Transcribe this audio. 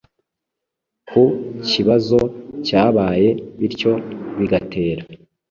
ku kibazo cyabaye bityo bigatera